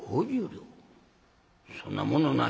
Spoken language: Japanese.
そんなものない」。